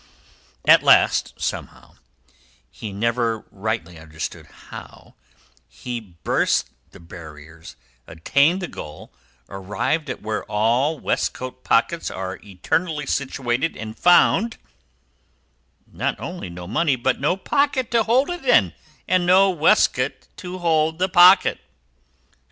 At last—somehow—he never rightly understood how—he burst the barriers, attained the goal, arrived at where all waistcoat pockets are eternally situated, and found—not only no money, but no pocket to hold it, and no waistcoat to hold the pocket!